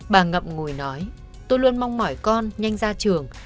bà ngậm ngồi nói tôi luôn mong mỏi con nhanh ra trường